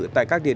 tại các địa điểm